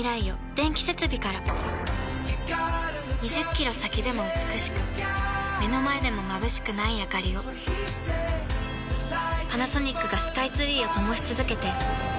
２０キロ先でも美しく目の前でもまぶしくないあかりをパナソニックがスカイツリーを灯し続けて今年で１０年